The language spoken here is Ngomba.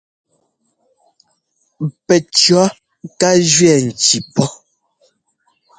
Pɛcʉ̈ ká jʉɛ ŋcí pɔ́.